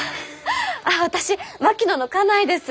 あっ私槙野の家内です。